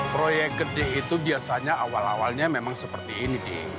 proyek gede itu biasanya awal awalnya memang seperti ini